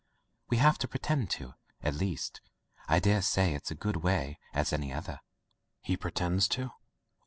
We have to pretend to, at least. I dare say it's as good a way as any other." "He pretends, too?"